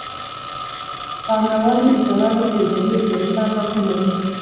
پانګوالي اجاره له فیوډالي اجارې سره توپیر لري